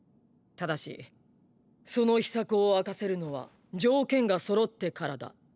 ただしその「秘策」を明かせるのは条件が揃ってからだと。